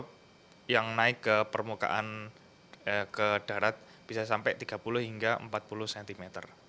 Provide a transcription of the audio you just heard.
air yang naik ke permukaan ke darat bisa sampai tiga puluh hingga empat puluh cm